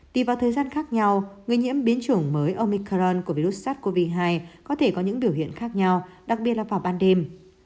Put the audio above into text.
tùy vào thời gian khác nhau người nhiễm biến chủng mới omicron của virus sars cov hai có thể có những biểu hiện khác nhau đặc biệt là vào ban đêm